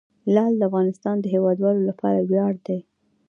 لعل د افغانستان د هیوادوالو لپاره ویاړ دی.